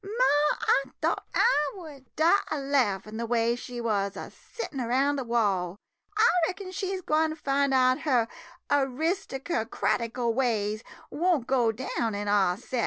Ma ! I thought I would die a laffin' de way she wuz a sittin' round de wall — I reckon she 's gwine fin' out her eristercrati cal ways won't go down in our set!